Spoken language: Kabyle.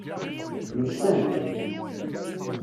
Mmektan-d?